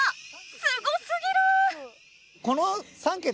すごすぎる！